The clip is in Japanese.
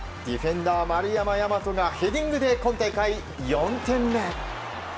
ディフェンダー、丸山大和がヘディングで今大会４点目。